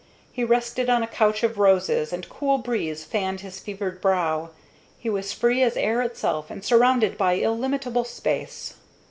He rested on a couch of roses, and cool breezes fanned his fevered brow. He was free as air itself and surrounded by illimitable space.